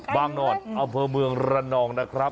บ้างนอนเอาเพลิงเมืองระนองนะครับ